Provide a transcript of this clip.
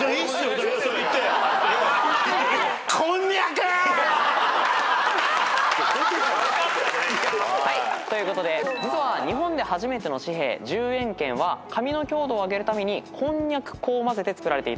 武田さん行って。ということで実は日本で初めての紙幣十円券は紙の強度を上げるためにこんにゃく粉を混ぜてつくられていたんです。